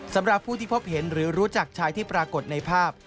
สำหรับผู้ที่พบเห็นหรือรู้จักชายที่ปรากฏในภาพ